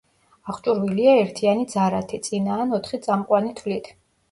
აღჭურვილია ერთიანი ძარათი, წინა ან ოთხი წამყვანი თვლით.